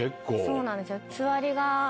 そうなんですよ。